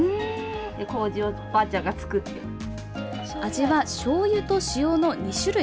味は、しょうゆと塩の２種類。